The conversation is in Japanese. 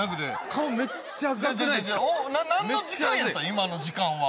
今の時間は。